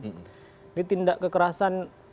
ini tindak kekerasan